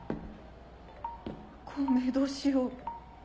孔明どうしよう。